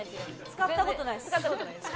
使った事ないです。